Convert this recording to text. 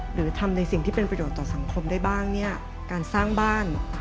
หรือทำในสิ่งที่เป็นประโยชน์ต่อสังคมได้บ้างเนี่ยการสร้างบ้าน